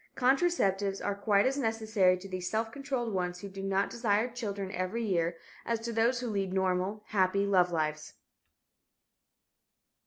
Contraceptives are quite as necessary to these "self controlled" ones who do not desire children every year as to those who lead normal, happy love lives.